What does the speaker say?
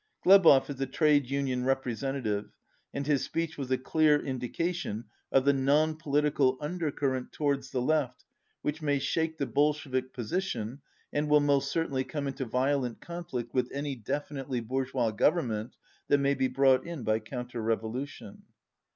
Glebov is a trade union representa tive, and his speech was a clear indication of the non political undercurrent towards the left which may shake the Bolshevik position and will most certainly come into violent conflict with any defi nitely bourgeois government that may be brought in by counter revolution.